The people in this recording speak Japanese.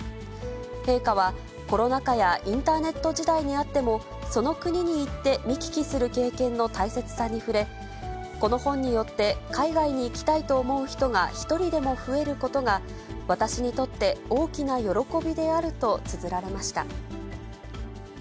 陛下は、コロナ禍やインターネット時代にあっても、その国に行って見聞きする経験の大切さに触れ、この本によって海外に行きたいと思う人が一人でも増えることが、私にとって大きな喜びであるとつづられました。